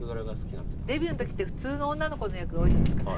デビューのときって普通の女の子の役が多いじゃないですか。